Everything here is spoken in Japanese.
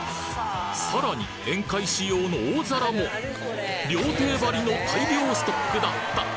さらに宴会仕様の大皿も料亭ばりの大量ストックだった！